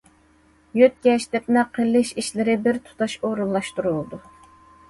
يۆتكەش، دەپنە قىلىش ئىشلىرى بىر تۇتاش ئورۇنلاشتۇرۇلىدۇ.